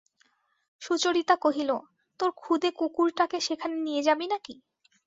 সুচরিতা কহিল, তোর খুদে কুকুরটাকে সেখানে নিয়ে যাবি নাকি?